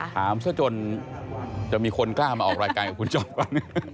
ถามเสื้อจนจะมีคนกล้ามาออกรายการกับคุณจอมฝัน